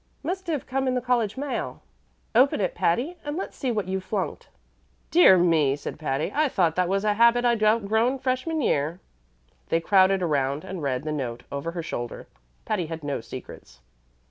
Must have come in the college mail. Open it, Patty, and let's see what you've flunked." "Dear me!" said Patty, "I thought that was a habit I'd outgrown freshman year." They crowded around and read the note over her shoulder. Patty had no secrets.